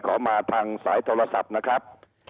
มาทางสายโทรศัพท์นะครับ